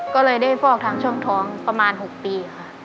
ก็เลยได้ฟอกทางช่องท้องประมาณ๖ปีค่ะ